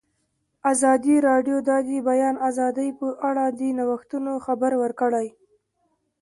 ازادي راډیو د د بیان آزادي په اړه د نوښتونو خبر ورکړی.